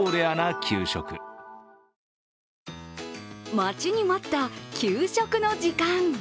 待ちに待った給食の時間。